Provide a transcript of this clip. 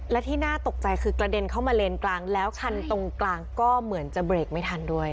และที่น่าตกใจคือกระเด็นเข้ามาเลนกลางแล้วคันตรงกลางก็เหมือนจะเบรกไม่ทันด้วย